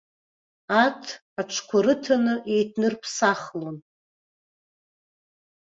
Арҭ, аҽқәа рыҭаны еиҭнырыԥсахлон.